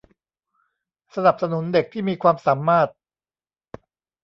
สนับสนุนเด็กที่มีความสามารถ